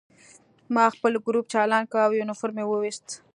ما خپل ګروپ چالان کړ او یونیفورم مې وویست